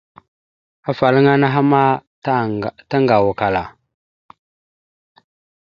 Afalaŋana anaha ma taŋgawakala.